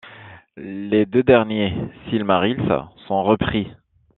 Les deux derniers Silmarils sont repris.